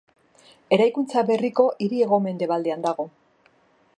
Eraikuntza berriko hiria hego-mendebalean dago.